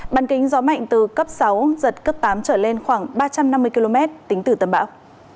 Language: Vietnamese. bàn kính gió mạnh từ cấp sáu giật cấp tám trở lên khoảng ba trăm năm mươi km tính từ tâm bão